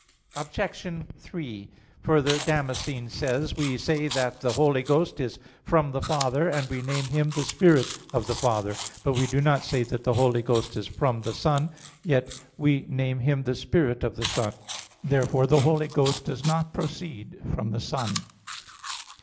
Obj. 3: Further, Damascene says (De Fide Orth. i): "We say that the Holy Ghost is from the Father, and we name Him the spirit of the Father; but we do not say that the Holy Ghost is from the Son, yet we name Him the Spirit of the Son." Therefore the Holy Ghost does not proceed from the Son.